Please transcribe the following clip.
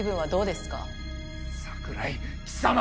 桜井貴様！